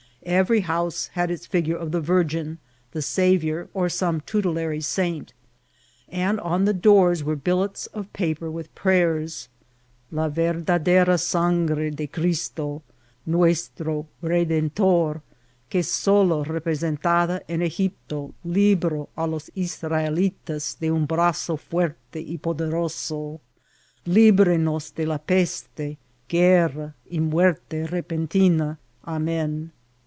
Every house had its figure of the Virgin, the Saviour, or some tutelary saint, and on the dwx . were billets of paper with prayers. " La verdad^ra aangre de Cristo, nuestro redentor que solo represen tada en Egipto libro a los Israelitas de un brazo fiierte y poderoeo, libre nos de la peste, guerra, y muerte re* pentina. Amen."